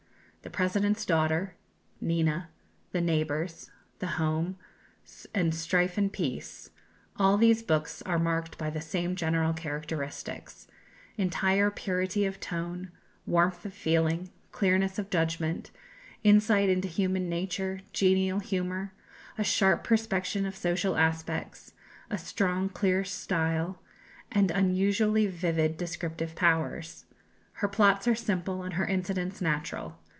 "The President's Daughter," "Nina," "The Neighbours," "The Home," and "Strife and Peace;" all these books are marked by the same general characteristics: entire purity of tone, warmth of feeling, clearness of judgment, insight into human nature, genial humour, a sharp perception of social aspects, a strong, clear style, and unusually vivid descriptive powers. Her plots are simple, and her incidents natural.